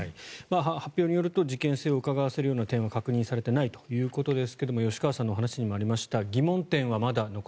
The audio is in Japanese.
発表によると事件性をうかがわせるような点は確認されていないということですが吉川さんの話にもありました。